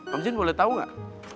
om jin boleh tau gak